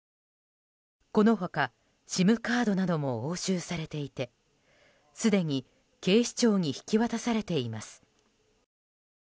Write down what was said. この他、ＳＩＭカードなども押収されていてすでに警視庁に引き渡されています。